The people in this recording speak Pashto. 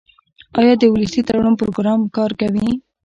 آیا د ولسي تړون پروګرام کار کوي؟